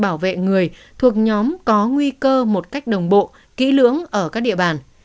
bảo vệ người thuộc nhóm có nguy cơ một cách đồng bộ kỹ lưỡng ở các địa bàn